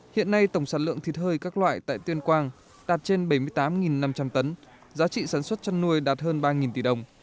hiện nay tổng sản lượng thịt hơi các loại tại tuyên quang đạt trên bảy mươi tám năm trăm linh tấn giá trị sản xuất chăn nuôi đạt hơn ba tỷ đồng